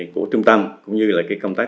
của trung tâm cũng như là cái công tác